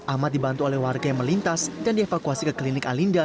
ahmad dibantu oleh warga yang melintas dan dievakuasi ke klinik alinda